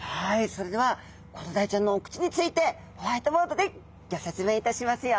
それではコロダイちゃんのお口についてホワイトボードでギョ説明いたしますよ。